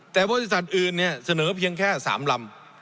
แต่บริษัทอื่นเนี่ยเสนอเพียงแค่๓ลำ